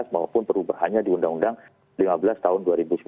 maupun perubahannya di undang undang lima belas tahun dua ribu sembilan belas